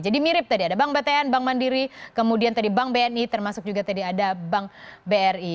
jadi mirip tadi ada bank btn bank mandiri kemudian tadi bank bni termasuk juga tadi ada bank bri